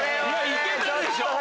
いけたでしょ？